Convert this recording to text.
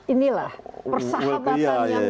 inilah persahabatan yang